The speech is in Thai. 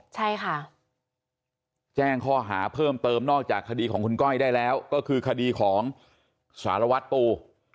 ใช่ค่ะแจ้งข้อหาเพิ่มเติมนอกจากคดีของคุณก้อยได้แล้วก็คือคดีของสารวัตรปู